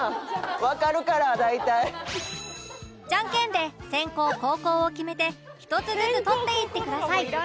わかるから大体」ジャンケンで先攻・後攻を決めて１つずつ取っていってください